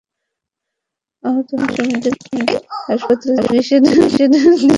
আহত হয়ে Mymensingh medical college হাসপাতালে চিকিৎসা নেন তিনজন পুলিশ সদস্য।